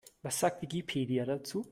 Was sagt Wikipedia dazu?